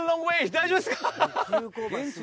大丈夫ですか？